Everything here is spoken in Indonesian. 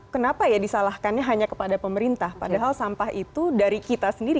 kenapa ya disalahkannya hanya kepada pemerintah padahal sampah itu dari kita sendiri